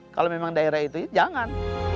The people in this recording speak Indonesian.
kalau memang daerah itu ya jangan